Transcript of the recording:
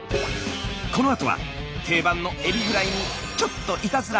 定番のエビフライにちょっといたずら。